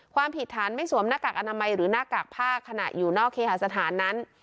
ความผิดฐานไม่สวมหน้ากากอนามัยหรือหน้ากากผ้าขณะอยู่นอกเคหาสถานนั้น